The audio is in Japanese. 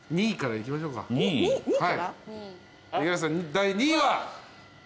第２位は？